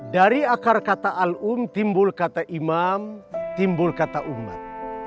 dari akar kata alum timbul kata imam timbul kata umat